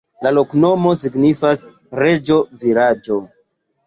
La loknomo signifas: reĝo-vilaĝo.